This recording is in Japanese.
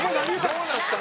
どうなった？